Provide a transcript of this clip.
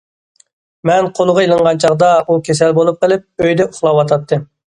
مەن قولغا ئېلىنغان چاغدا، ئۇ كېسەل بولۇپ قېلىپ ئۆيدە ئۇخلاۋاتاتتى.